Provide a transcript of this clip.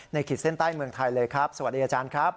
ขีดเส้นใต้เมืองไทยเลยครับสวัสดีอาจารย์ครับ